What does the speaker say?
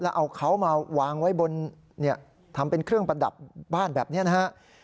แล้วเอาเขามาวางไว้บนทำเป็นเครื่องประดับบ้านแบบนี้นะฮะ